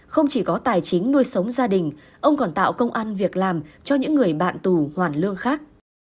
không chỉ có tài chính nuôi sống gia đình ông còn tạo công ăn việc làm cho những người bạn tù hoàn lương khác